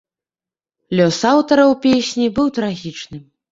Лёс аўтараў песні быў трагічным.